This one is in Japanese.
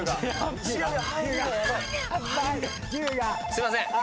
すいません。